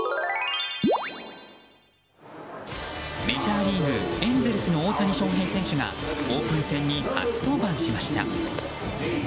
メジャーリーグエンゼルスの大谷翔平選手がオープン戦に初登板しました。